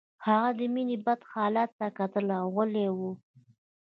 هغه د مينې بد حالت ته کتل او غلی و